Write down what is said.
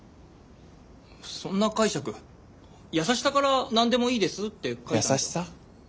そんな解釈優しさから「なんでもいいです」って。優しさ？